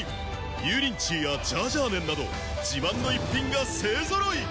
油淋鶏やジャージャー麺など自慢の逸品が勢揃い！